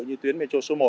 như tuyến metro số một